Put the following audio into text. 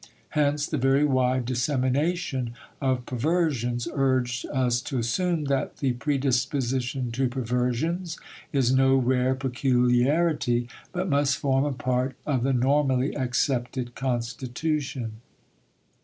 Hence, the very wide dissemination of perversions urged us to assume that the predisposition to perversions is no rare peculiarity but must form a part of the normally accepted constitution.